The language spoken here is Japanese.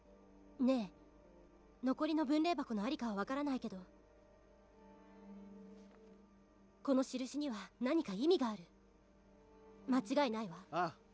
ねえ残りの分霊箱の在りかは分からないけどこの印には何か意味がある間違いないわああ